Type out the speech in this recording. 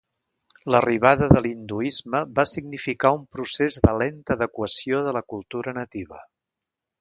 L'arribada de l'hinduisme va significar un procés de lenta adequació de la cultura nativa.